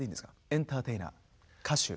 エンターテイナー歌手。